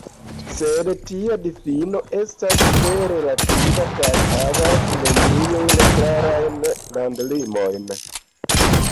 Sed tia difino estas tre relativa, kaj havas neniujn klarajn landlimojn.